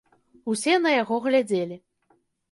Усе на яго глядзелі.